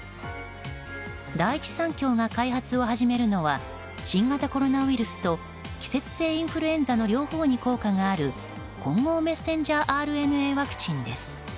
第一三共が開発を始めるのは新型コロナウイルスと季節性インフルエンザの両方に効果がある混合メッセンジャーＲＮＡワクチンです。